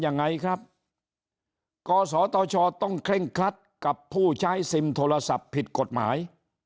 ยังไงครับกศตชต้องเคร่งครัดกับผู้ใช้ซิมโทรศัพท์ผิดกฎหมาย